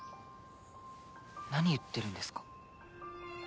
何言ってるんですか？